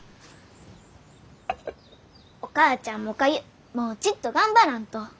お母ちゃんもおかゆもうちっと頑張らんと。